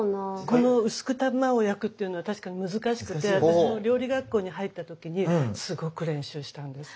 この薄く卵を焼くっていうのは確かに難しくて私も料理学校に入った時にすごく練習したんです。